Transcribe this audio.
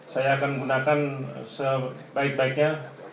saya akan menggunakan sebaik baiknya